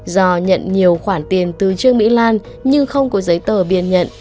do nhận nhiều khoản tiền từ trương mỹ lan nhưng không có giấy tờ biên nhận